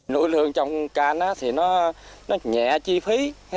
nuôi lươn trong can thì nó nhẹ chi phí